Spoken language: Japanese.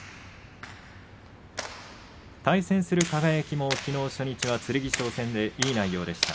対戦する輝もきのう初日は剣翔戦で、いい内容でした。